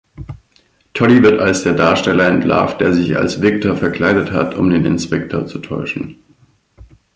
Toddy wird als der Darsteller entlarvt, der sich als "Victor" verkleidet hat, um den Inspektor zu täuschen.